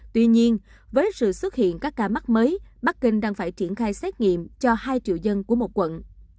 tuy nhiên với sự xuất hiện các ca mắc mới bắc kinh đang phải triển khai xét nghiệm cho hai triệu dân của một quận